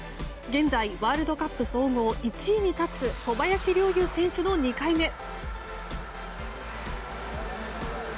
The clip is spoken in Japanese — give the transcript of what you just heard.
現在、ワールドカップ総合１位に立つ小林陵侑選手の２回目。